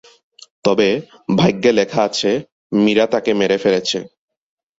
তবে, ভাগ্যে লেখা আছে, মীরা তাকে মেরে ফেলেছে।